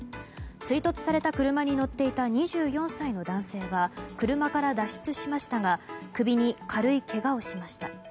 追突された車に乗っていた２４歳の男性は車から脱出しましたが首に軽いけがをしました。